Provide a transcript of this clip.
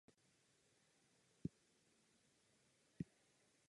Studoval na ješivě.